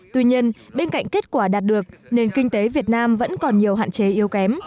tuy nhiên bên cạnh kết quả đạt được nền kinh tế việt nam vẫn còn nhiều hạn chế yếu kém